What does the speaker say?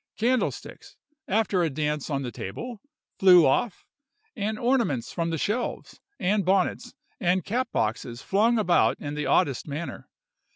Candlesticks, after a dance on the table, flew off, and ornaments from the shelves, and bonnets and cap boxes flung about in the oddest manner.